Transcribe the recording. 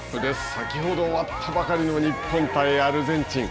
先ほど終わったばかりの日本対アルゼンチン。